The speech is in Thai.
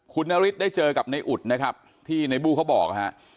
คุณนฤทธิ์ได้เจอกับนายอุดนะครับที่นายบู้เขาบอกนะครับ